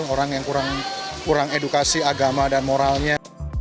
orang yang kurang edukasi agama dan moralnya